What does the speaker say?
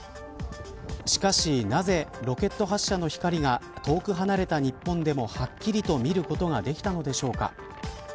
しかし、なぜロケット発射の光が遠く離れた日本でも、はっきりと見ることができたのでしょうか。